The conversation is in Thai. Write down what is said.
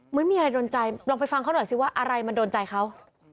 เหมือนมีอะไรโดนใจลองไปฟังเขาหน่อยสิว่าอะไรมันโดนใจเขา